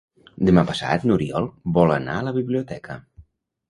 Demà passat n'Oriol vol anar a la biblioteca.